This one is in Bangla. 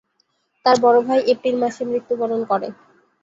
তার বড় ভাই এপ্রিল মাসে মৃত্যুবরণ করে।